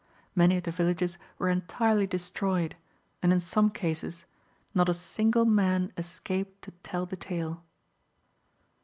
Many of the villages were entirely destroyed, and in some cases not a single man escaped to tell the tale.